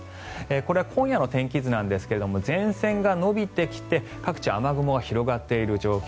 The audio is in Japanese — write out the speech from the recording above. これは今夜の天気図ですが前線が延びてきて各地、雨雲が広がっている状況。